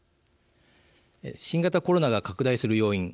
新型コロナが拡大する要因。